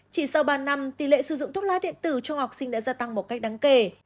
chỉ sau ba năm tỷ lệ sử dụng thuốc lá điện tử trong học sinh đã gia tăng một cách đáng kể